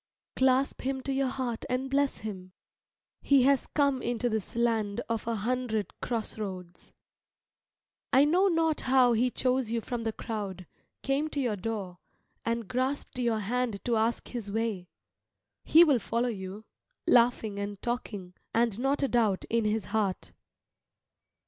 Clasp him to your heart and bless him. He has come into this land of an hundred cross roads. I know not how he chose you from the crowd, came to your door, and grasped your hand to ask his way. He will follow you, laughing and talking, and not a doubt in his heart.